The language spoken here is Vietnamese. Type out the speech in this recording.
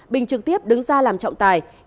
bình trực tiếp đứng ra làm trọng tài